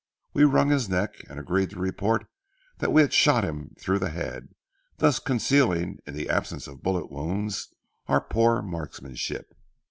We wrung his neck, and agreed to report that we had shot him through the head, thus concealing, in the absence of bullet wounds, our poor marksmanship.